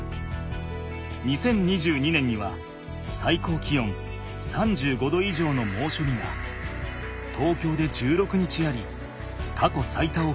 ２０２２年には最高気温３５℃以上のもうしょびが東京で１６日ありかこ最多をきろくした。